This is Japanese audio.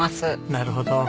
なるほど。